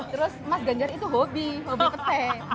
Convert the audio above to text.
terus mas ganjar itu hobi hobi kete